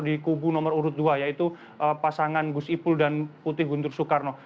di kubu nomor urut dua yaitu pasangan gus ipul dan putih guntur soekarno